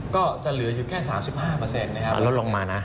ก็จะเหลืออยู่แค่๓๕นะครับลดลงมานะ